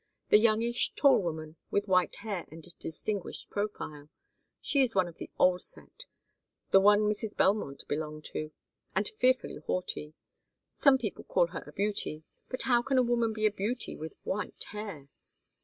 "The youngish tall woman with white hair and distinguished profile. She is one of the old set the one Mrs. Belmont belonged to and fearfully haughty. Some people call her a beauty, but how can a woman be a beauty with white hair?